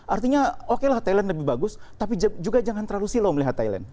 artinya okelah thailand lebih bagus tapi juga jangan terlalu silau melihat thailand